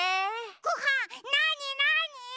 ごはんなになに？